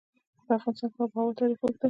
په افغانستان کې د آب وهوا تاریخ اوږد دی.